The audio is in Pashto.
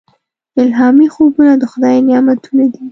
الهامي خوبونه د خدای نعمتونه دي.